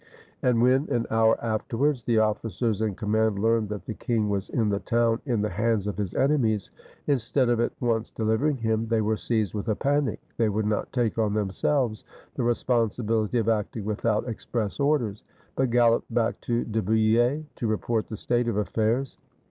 And when, an hour afterwards, the officers in com mand learned that the king was in the town in the hands of his enemies, instead of at once delivering him, they were seized with a panic ; they would not take on them selves the responsibility of acting without express orders; but galloped back to De Bouille to report the state of affairs.